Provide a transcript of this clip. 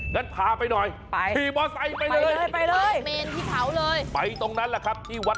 งั้นพาไปหน่อยที่บอสไตล์ไปเลย